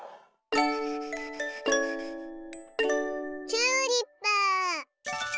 チューリップ。